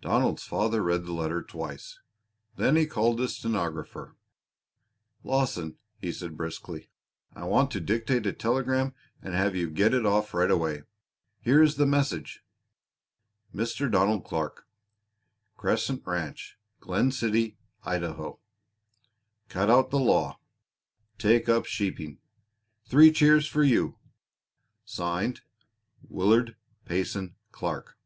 Donald's father read the letter twice. Then he called his stenographer. "Lawson," he said briskly, "I want to dictate a telegram and have you get it off right away. Here is the message: "Mr. Donald Clark, Crescent Ranch, Glen City, Idaho. "Cut out the law. Take up sheeping. Three cheers for you! "(Signed) WILLARD PAYSON CLARK.